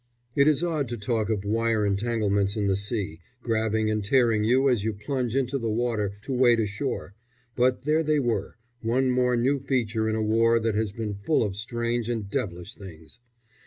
It is odd to talk of wire entanglements in the sea, grabbing and tearing you as you plunge into the water, to wade ashore; but there they were, one more new feature in a war that has been full of strange and devilish things.